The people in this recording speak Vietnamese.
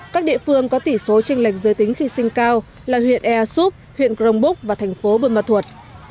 các địa phương có tỷ số trích lệch giới tính khi sinh cao là huyện ea súp huyện crong búc và thành phố bươn mật thuột